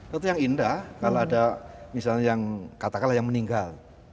tentu yang indah kalau ada misalnya yang katakanlah yang meninggal